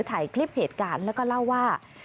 ถ่ายคลิปเหตุการณ์แล้วก็เล่าว่า